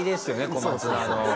小松菜の。